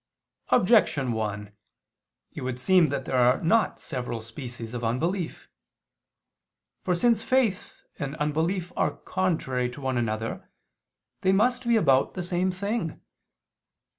Objection 1: It would seem that there are not several species of unbelief. For, since faith and unbelief are contrary to one another, they must be about the same thing.